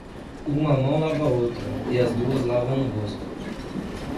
Uma mão lava a outra e as duas lavam o rosto.